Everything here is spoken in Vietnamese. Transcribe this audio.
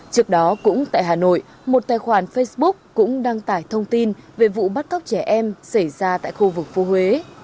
trước đó cũng tại hà nội một tài khoản facebook cũng đăng tải thông tin về vụ bắt cóc trẻ em xảy ra tại khu vực phố huế